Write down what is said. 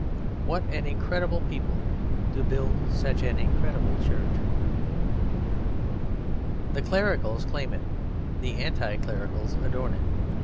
What an incredible people to build such an incredible church! The Clericals claim it, the anti Clericals adorn it.